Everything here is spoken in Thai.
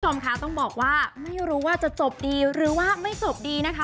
คุณผู้ชมคะต้องบอกว่าไม่รู้ว่าจะจบดีหรือว่าไม่จบดีนะคะ